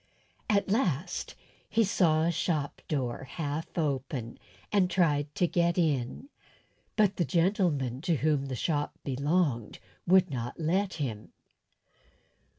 At last he saw a shop door half open, and tried to get in, but the gentleman to whom the shop belonged would not let him.